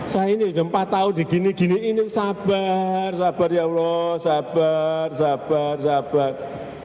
saya ini sempat tahu digini gini ini sabar sabar ya allah sabar sabar sabar